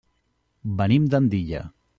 Venim d'Andilla.